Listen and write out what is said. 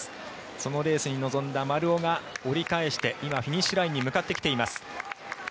そのレースに臨んだ丸尾が折り返して今、フィニッシュラインに向かってきています。